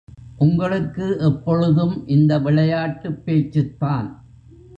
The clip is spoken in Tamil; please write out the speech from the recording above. உங்களுக்கு எப்பொழுதும் இந்த விளையாட்டுப் பேச்சுத்தான்.